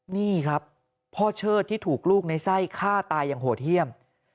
นี่ครับพ่อเชิดที่ถูกลูกในไส้ฆ่าตายอย่างโหดเยี่ยม